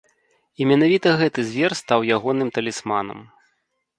І менавіта гэты звер стаў ягоным талісманам.